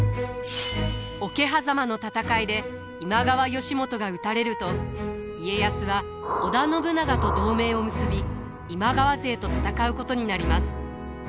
桶狭間の戦いで今川義元が討たれると家康は織田信長と同盟を結び今川勢と戦うことになります。